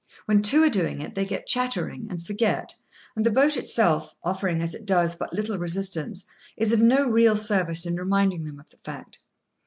When two are doing it, they get chattering, and forget, and the boat itself, offering, as it does, but little resistance, is of no real service in reminding them of the fact.